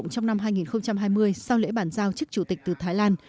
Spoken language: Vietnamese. trong năm hai nghìn hai mươi sau lễ bản giao chức chủ tịch từ thái lan